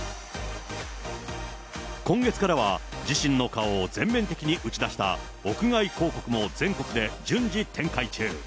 今月からは自身の顔を全面的に打ち出した、屋外広告も全国で順次展開中。